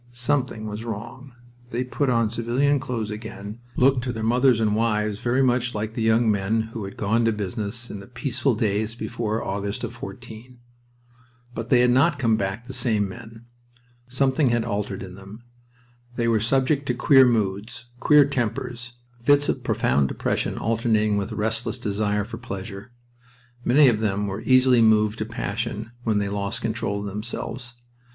Something was wrong. They put on civilian clothes again, looked to their mothers and wives very much like the young men who had gone to business in the peaceful days before the August of '14. But they had not come back the same men. Something had altered in them. They were subject to queer moods, queer tempers, fits of profound depression alternating with a restless desire for pleasure. Many of them were easily moved to passion when they lost control of themselves.